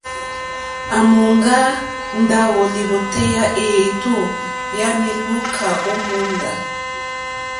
À mòŋgá ndáwò lìwòtéyá éètó yǎmì lùúkà ó mòóndá.